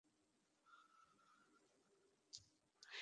এখানে এসে একটি দেয়ালের সাথে ধাক্কা খায়।